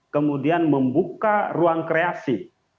kemudian membuka ruang kreasi